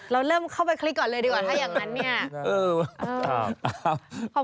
เราเริ่มเข้าไปคลิกก่อนเลยดีกว่าถ้าอย่างนั้นเนี่ย